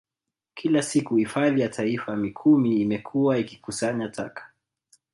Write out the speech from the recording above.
Kila siku Hifadhi ya Taifa Mikumi imekuwa ikikusanya taka